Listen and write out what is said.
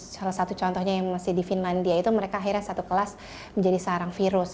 salah satu contohnya yang masih di finlandia itu mereka akhirnya satu kelas menjadi sarang virus